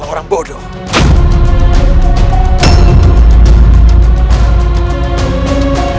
paman kurang ada geni